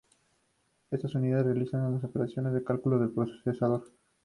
Estas unidades realizan las operaciones o los cálculos del procesador.